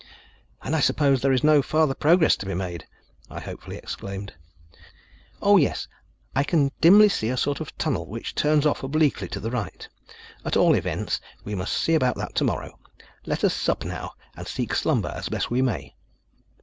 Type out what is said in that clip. "And I suppose there is no farther progress to be made?" I hopefully exclaimed. "Oh, yes, I can dimly see a sort of tunnel, which turns off obliquely to the right. At all events, we must see about that tomorrow. Let us sup now, and seek slumber as best we may."